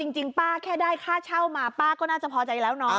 จริงป้าแค่ได้ค่าเช่ามาป้าก็น่าจะพอใจแล้วเนาะ